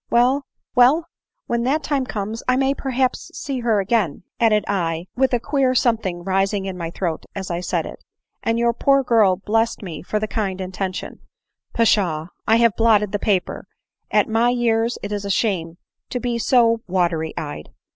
— Well, when that time comes, I may perhaps see her again,' added I, 25* 290 ADELINE MOWBRAY. with a d d queer something rising in my throat as I said it, and your poor girl blessed me for the kind inten tion. — (Pshaw ! I have blotted the paper ; at my years it is a shame to be so watery eyed.)